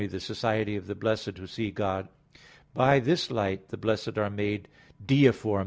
the society of the blessed who see God. By this light the blessed are made "deiform" i.